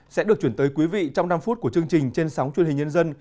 sẽ được chuyển tới quý vị trong năm phút của chương trình trên sóng truyền hình nhân dân